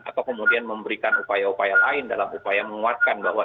atau kemudian memberikan upaya upaya lain dalam upaya menguatkan bahwa